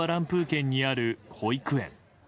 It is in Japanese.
県にある保育園。